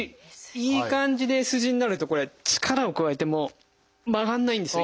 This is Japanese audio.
いい感じでＳ字になるとこれ力を加えても曲がらないんですよ。